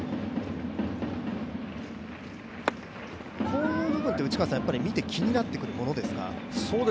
こういう部分って、見てて気になってくるものですか。